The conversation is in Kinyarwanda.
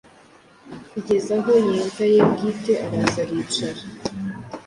Kugeza aho yimva ye bwite araza, aricara,